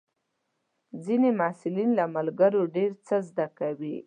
ځینې محصلین له ملګرو ډېر څه زده کوي.